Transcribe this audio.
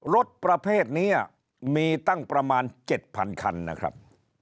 รถประเภทนี้มีตั้งประมาณ๗๐๐คันนะครับ